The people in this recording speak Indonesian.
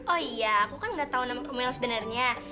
oh iya aku kan gak tau nama email sebenarnya